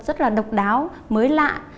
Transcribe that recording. rất là độc đáo mới lạ